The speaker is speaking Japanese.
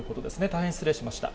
大変失礼しました。